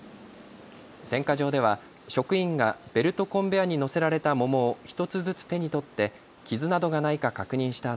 選果場では職員がベルトコンベアに乗せられた桃を１つずつ手に取って傷などがないか確認した